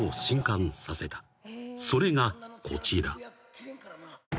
［それがこちら］